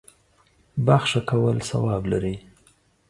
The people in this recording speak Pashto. بخښه کول ثواب لري.